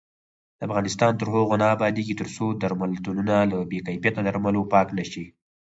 افغانستان تر هغو نه ابادیږي، ترڅو درملتونونه له بې کیفیته درملو پاک نشي.